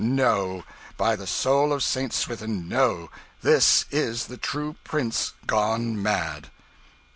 No! By the soul of St. Swithin, no! This is the true prince, gone mad!"